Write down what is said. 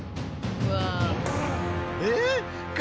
うわ。